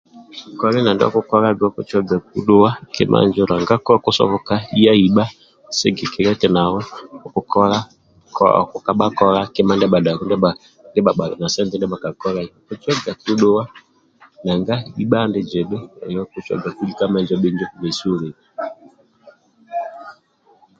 Koli na ndio okulaga okucwagaku odhuwa kima injo nanga kokusoboka iya ibha sigikilia eti nawe okukabha kola kjma ndia bhadako ndibha bhali na sente ndia bhakakolai okucwagaku odhuwa nanga ibha ali zidhi oyo okucwagaku lika menjo bhinjo nesi olio